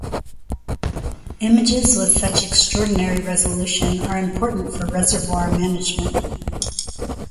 Images with such extraordinary resolution are important for reservoir management.